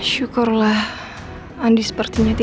syukurlah andi seperti itu